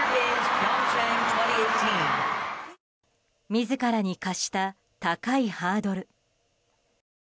自らに課した高いハードル。